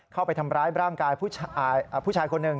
เข้าไปทำร้ายร่างกายผู้ชายคนหนึ่ง